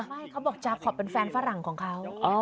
ไม่เขาบอกจาคอปเป็นแฟนฝรั่งของเขา